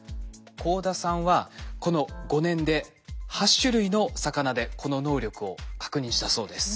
幸田さんはこの５年で８種類の魚でこの能力を確認したそうです。